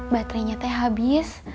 baterainya teh habis